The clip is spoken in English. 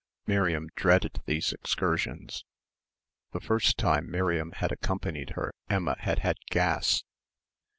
Miriam dreaded these excursions. The first time Miriam had accompanied her Emma had had "gas."